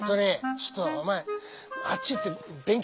ちょっとお前あっち行って勉強してなさい。